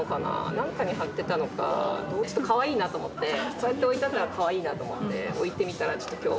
何かに貼ってたのか、かわいいなと思って、こうやって置いたらかわいいなと思って、置いてみたら、ちょっと、きょう。